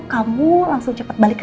kamu langsung cepet balik